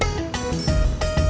ya ada tiga orang